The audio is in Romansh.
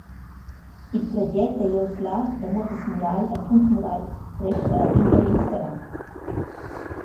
Il traget da jouslar da Muottas Muragl a Punt Muragl resta ad interim serrà.